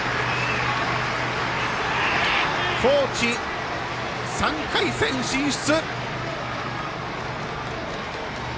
高知、３回戦進出！